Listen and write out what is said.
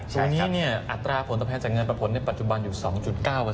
ใช่ก็ถือว่าเป็นพื้นเบิ้มของอสังหา